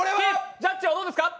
ジャッジはどうですか？